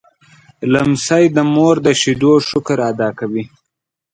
لمسی د مور د شیدو شکر ادا کوي.